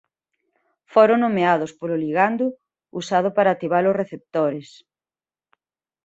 Foron nomeados polo ligando usado para activar os receptores.